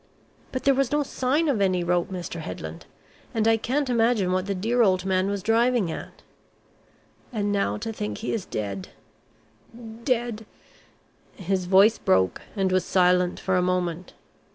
But there was no sign of any rope, Mr. Headland, and I can't imagine what the dear old man was driving at. And now to think he is dead dead " His voice broke and was silent for a moment.